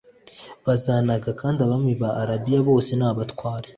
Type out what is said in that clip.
Bazanaga kandi abami ba arabiya bose n abatware